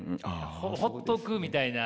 ほっとくみたいな。